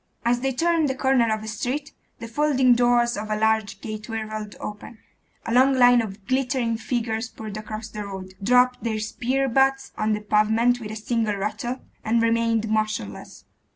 As they turned the corner of a street, the folding doors of a large gateway rolled open; a long line of glittering figures poured across the road, dropped their spear butts on the pavement with a single rattle, and remained motionless.